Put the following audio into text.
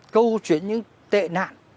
câu chuyện những tệ nạn